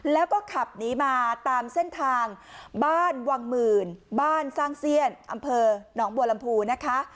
แล้วก็ขับหนีมาตามเส้นทางบ้านวังหมื่นบ้านสร้างเสี้ยนอำเภอหนองบัวลำพูนะคะ